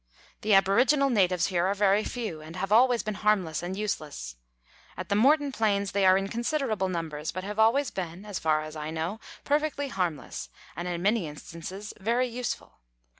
The aboriginal natives here are very few, and have always been harmless and useless. At the Morton Plains they are in considerable numbers, but have always been (as far as I know) perfectly harmless, and in many instances very useful.